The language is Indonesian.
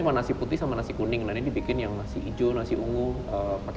oh selamat malam